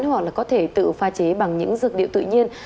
hoặc là có thể tự pha chế bằng những dược điệu tự nhiên